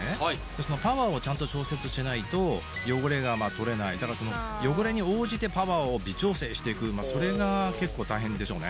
そのパワーをちゃんと調節しないと汚れが取れないだからその汚れに応じてパワーを微調整していくそれが結構大変でしょうね